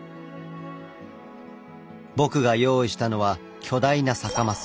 僕が用意したのは巨大な酒ます。